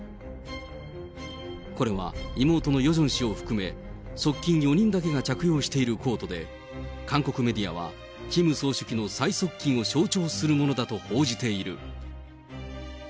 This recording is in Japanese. これは、妹のヨジョン氏を含め、側近４人だけが着用しているコートで、韓国メディアはキム総書記の最側近を象徴するものだと報じている。